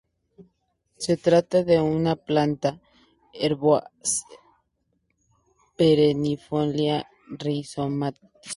Se trata de una planta herbácea, perennifolia, rizomatosa.